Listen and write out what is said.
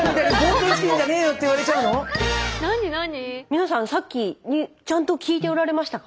皆さんさっきちゃんと聞いておられましたか？